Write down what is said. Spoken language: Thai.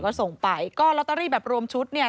ก็ส่งไปก็ลอตเตอรี่แบบรวมชุดเนี่ย